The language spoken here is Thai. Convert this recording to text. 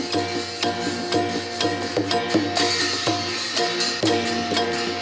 สวัสดีครับ